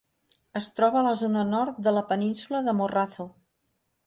Es troba a la zona nord de la península de Morrazo.